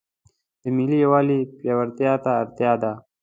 د ملي یووالي پیاوړتیا ته اړتیا ده.